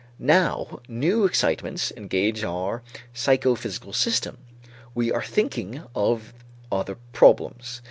Now new excitements engage our psychophysical system. We are thinking of other problems.